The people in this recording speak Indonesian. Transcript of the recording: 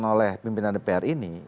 oleh pimpinan dpr ini